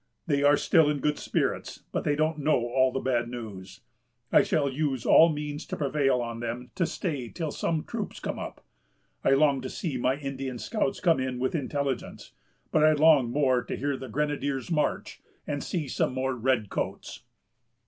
They are still in good spirits, but they don't know all the bad news. I shall use all means to prevail on them to stay till some troops come up. I long to see my Indian scouts come in with intelligence; but I long more to hear the Grenadiers' March, and see some more red coats."